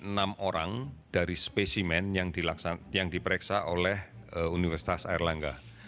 ada penambahan dari spesimen yang diperiksa oleh universitas airlangga